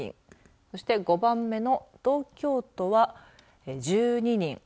そして５番目の東京都は１２人。